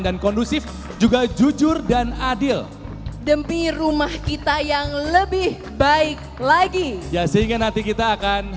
dan kondusif juga jujur dan adil demi rumah kita yang lebih baik lagi ya sehingga nanti kita akan